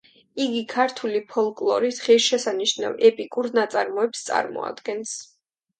იგი ქართული ფოლკლორის ღირსშესანიშნავ ეპიკურ ნაწარმოებს წარმოადგენს.